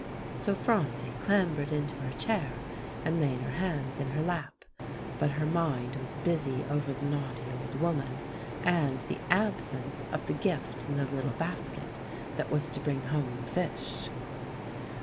So Phronsie clambered into her chair, and laid her hands in her lap. But her mind was busy over the naughty old woman, and the absence of the gift in the little basket that was to bring home the fish.